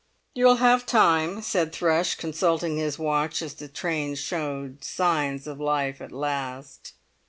"You'll have time," said Thrush, consulting his watch as the train showed signs of life at last.